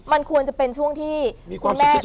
มันควรจะเป็นช่วงที่คุณแม่